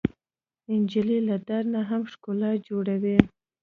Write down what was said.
نجلۍ له درد نه هم ښکلا جوړوي.